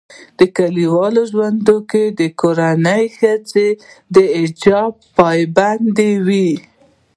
کلیوالي ژوندکي دکورنۍښځي دحجاب پابند وي